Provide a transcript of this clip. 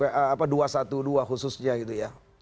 khususnya gitu ya